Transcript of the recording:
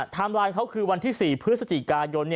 ไลน์เขาคือวันที่๔พฤศจิกายน